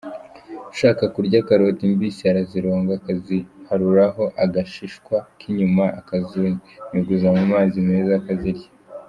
Ushaka kurya karoti mbisi arazironga, akaziharuraho agashishwa k’inyuma, akazunyuguza mu mazi meza, akazirya.